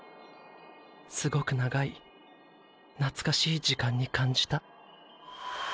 すごく長い懐かしい時間に感じたーー。